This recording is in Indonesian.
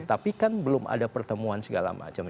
tapi kan belum ada pertemuan segala macam